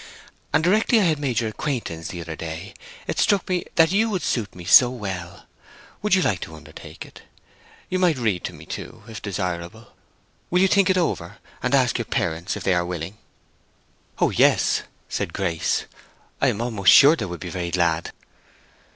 And directly I had made your acquaintance the other day it struck me that you would suit me so well. Would you like to undertake it? You might read to me, too, if desirable. Will you think it over, and ask your parents if they are willing?" "Oh yes," said Grace. "I am almost sure they would be very glad."